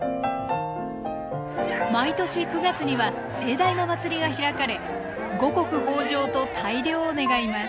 毎年９月には盛大な祭りが開かれ五穀豊穣と大漁を願います。